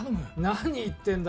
何言ってんだ